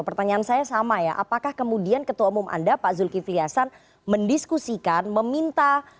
pertanyaan saya sama ya apakah kemudian ketua umum anda pak zulkifli hasan mendiskusikan meminta